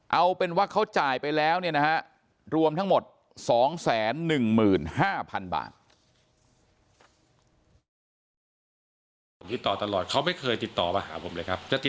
เอาเป็นว่าเขาจ่ายไปแล้วรวมทั้งหมด๒๑๕๐๐๐บาท